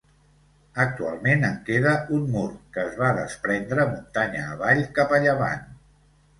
Actualment en queda un mur, que es va desprendre muntanya avall, cap a llevant.